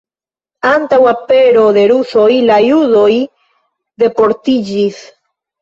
Antaŭ apero de rusoj la judoj deportiĝis.